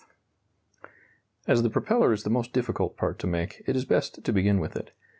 ] As the propeller is the most difficult part to make, it is best to begin with it.